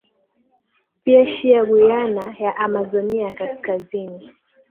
pia Shii ya Guiana ya Amazonia kaskazini